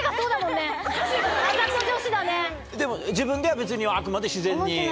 でも自分ではあくまで自然に？